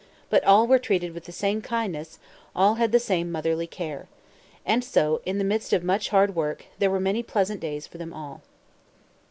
But all were treated with the same kindness; all had the same motherly care. And so, in the midst of much hard work, there were many pleasant days for them all.